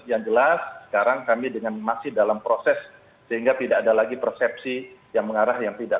yang jelas sekarang kami dengan masih dalam proses sehingga tidak ada lagi persepsi yang mengarah yang tidak